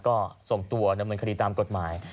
ก็ส่งตัวดำเนินคดีตามกฎหมาย